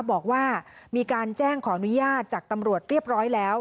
บอกว่ามีการแจ้งขออนุญาตจากตำรวจเรียบร้อยแล้ว